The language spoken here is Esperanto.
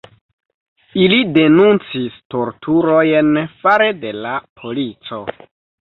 Ili denuncis torturojn fare de la polico.